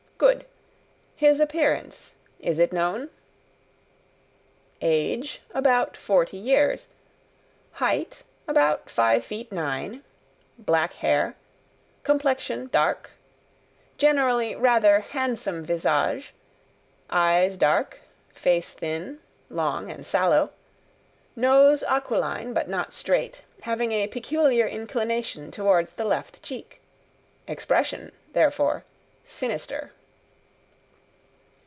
"Good. His appearance; is it known?" "Age, about forty years; height, about five feet nine; black hair; complexion dark; generally, rather handsome visage; eyes dark, face thin, long, and sallow; nose aquiline, but not straight, having a peculiar inclination towards the left cheek; expression, therefore, sinister."